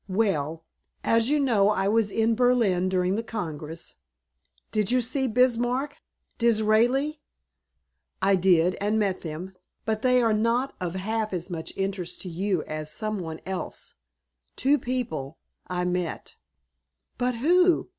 "Well as you know, I was in Berlin during the Congress " "Did you see Bismark Disraeli " "I did and met them. But they are not of half as much interest to you as some one else two people I met." "But who?"